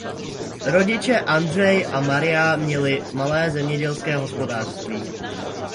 Rodiče Andrzej a Maria měli malé zemědělské hospodářství.